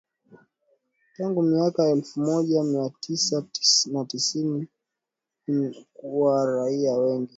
Tangu miaka ya elfu moja mia tisa na tisini na kuua raia wengi.